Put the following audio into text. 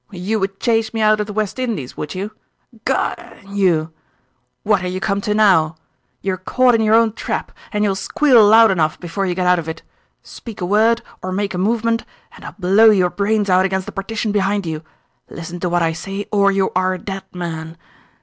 "You would chase me out of the West Indies, would you? G you! What are you come to now? You are caught in your own trap, and you'll squeal loud enough before you get out of it. Speak a word or make a movement and I'll blow your brains out against the partition behind you! Listen to what I say or you are a dead man.